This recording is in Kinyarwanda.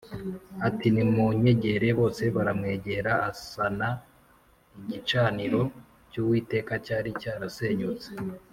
ati “Nimunyegere” Bose baramwegera, asana igicaniro cy’Uwiteka cyari cyarasenyutse